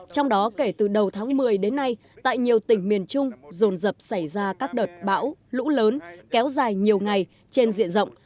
trong đó kể từ đầu tháng một mươi đến nay tại nhiều tỉnh miền trung rồn rập xảy ra các đợt bão lũ lớn kéo dài nhiều ngày trên diện rộng